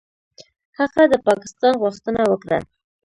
هغه د پاکستان غوښتنه وکړه.